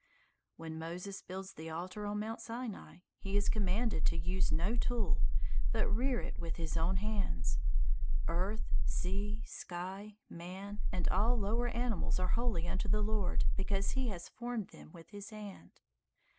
When Moses builds the altar on Mount Sinai, he is commanded to use no tool, but rear it with his own hands. Earth, sea, sky, man, and all lower animals are holy unto the Lord because he has formed them with his hand.